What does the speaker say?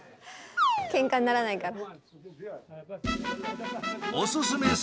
ケンカにならないかな。